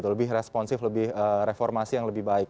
lebih responsif lebih reformasi yang lebih baik